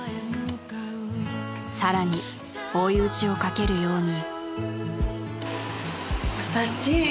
［さらに追い打ちをかけるように］